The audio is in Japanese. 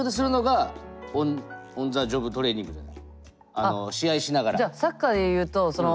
あの試合しながら。